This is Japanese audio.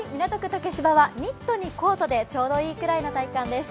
竹芝はニットにコートでちょうどいいくらいの体感です。